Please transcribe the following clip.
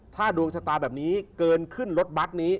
ถ้าดวงชะตาแบบนี้เกินขึ้นรถบัตรนี้